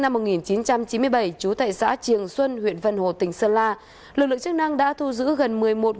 năm một nghìn chín trăm chín mươi bảy chú tại xã trường xuân huyện vân hồ tỉnh sơn la lực lượng chức năng đã thu giữ gần